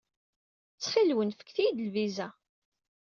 Ttxil-wen, fket-iyi-d lviza.